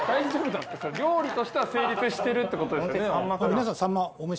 料理としては成立してるってことですよね？